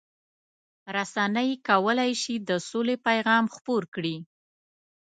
رسنۍ کولای شي د سولې پیغام خپور کړي.